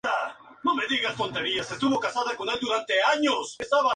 Debido a la alta demanda, otros fabricantes pronto comenzaron a ofrecer chips compatibles.